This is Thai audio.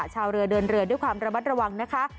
ชาวเรือเดินเรือด้วยความระมัดระวังนะคะ